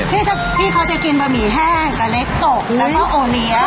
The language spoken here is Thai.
พี่จะพี่เค้าจะกินบะหมี่แห้งกะเล้กกรอกแล้วก็อแวง